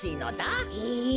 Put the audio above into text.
へえ。